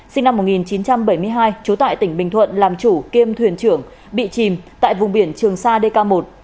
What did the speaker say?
sinh năm một nghìn chín trăm bảy mươi hai trú tại tỉnh bình thuận làm chủ kiêm thuyền trưởng bị chìm tại vùng biển trường sa dk một